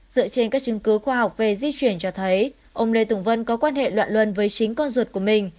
dựa trên các chứng cứ khoa học về di chuyển cho thấy ông lê tùng vân có quan hệ loạn luân với chính con ruột của mình